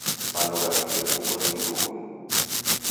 Manu ghape ghebukwa ni mdughunu.